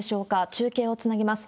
中継をつなぎます。